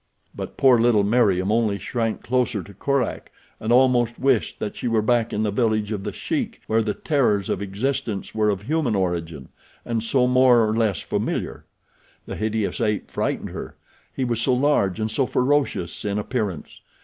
But poor little Meriem only shrank closer to Korak and almost wished that she were back in the village of The Sheik where the terrors of existence were of human origin, and so more or less familiar. The hideous ape frightened her. He was so large and so ferocious in appearance.